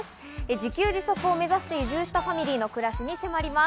自給自足を目指して移住したファミリーの暮らしに迫ります。